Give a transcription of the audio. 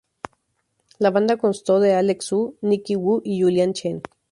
La banda constó de Alec Su, Nicky Wu y Julian Chen.